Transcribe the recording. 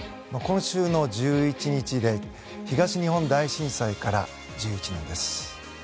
今週の１１日で東日本大震災から１１年です。